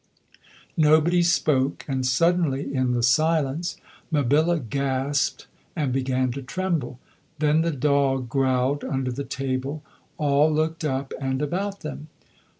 Nobody spoke, and suddenly in the silence Mabilla gasped and began to tremble. Then the dog growled under the table. All looked up and about them.